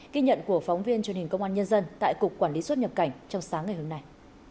ghi nhận của phóng viên truyền hình công an nhân dân tại cục quản lý xuất nhập cảnh trong sáng ngày hôm nay